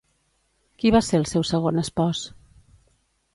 Qui va ser el seu segon espòs?